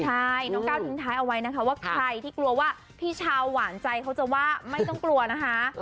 ใช่น้องก้าวทิ้งท้ายเอาไว้นะคะว่าใครที่กลัวว่าพี่ชาวหวานใจเขาจะว่าไม่ต้องกลัวนะคะ